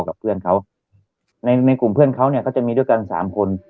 กับเพื่อนเขาในในกลุ่มเพื่อนเขาเนี่ยก็จะมีด้วยกันสามคน